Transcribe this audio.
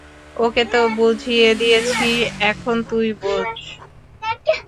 ওকে তো বুঝিয়ে দিয়েছি, এখন তুই বোঝ।